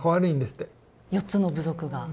４つの部族が。